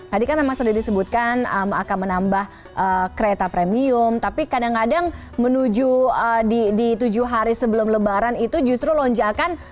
tadi kan memang sudah disebutkan akan menambah kereta premium tapi kadang kadang menuju di tujuh hari sebelum lebaran itu justru lonjakan